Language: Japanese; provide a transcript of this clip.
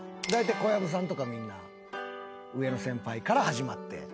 だいたい小籔さんとかみんな上の先輩から始まって。